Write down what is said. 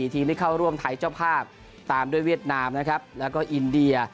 ทีมที่เข้าร่วมไทยเจ้าภาพตามด้วยเวียดนามนะครับแล้วก็อินเดีย